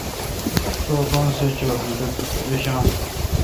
تو اپان سہ چو۔ بہ بیشان۔